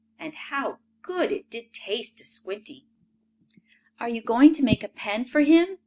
And how good it did taste to Squinty! "Are you going to make a pen for him?"